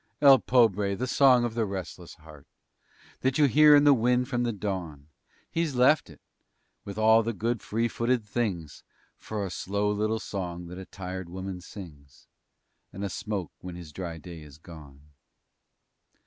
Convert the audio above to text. El pobre! the song of the restless heart That you hear in the wind from the dawn! He's left it, with all the good, free footed things, For a slow little song that a tired woman sings And a smoke when his dry day is gone.